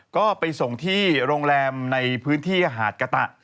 ก็ไปส่งที่โรงแรมในพื้นที่หาดกะตะ